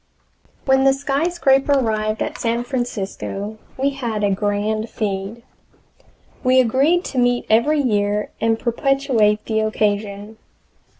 When the SKYSCRAPER arrived at San Francisco we had a grand "feed." We agreed to meet every year and perpetuate the occasion.